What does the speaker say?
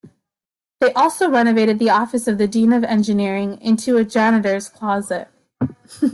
They also renovated the office of the dean of engineering into a janitor's closet.